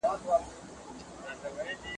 هغه شفقت نه کماوه.